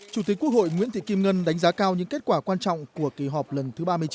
chủ tịch quốc hội nguyễn thị kim ngân đánh giá cao những kết quả quan trọng của kỳ họp lần thứ ba mươi chín